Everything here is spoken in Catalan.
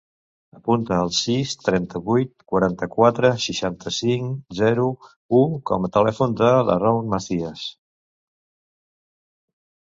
Apunta el sis, trenta-vuit, quaranta-quatre, seixanta-cinc, zero, u com a telèfon de l'Haroun Macias.